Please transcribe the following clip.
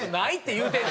言うてる。